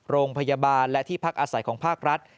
โรงพยาบาลและที่พักอาศัยของภาครัฐ